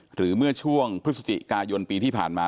หรือเมื่อช่วงพฤศจิกายนปีที่ผ่านมา